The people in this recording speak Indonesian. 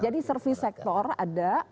jadi service sektor ada